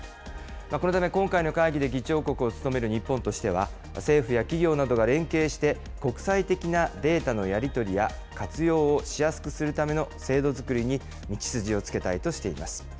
このため、今回の会議で議長国を務める日本としては、政府や企業などが連携して、国際的なデータのやり取りや活用をしやすくするための制度づくりに道筋をつけたいとしています。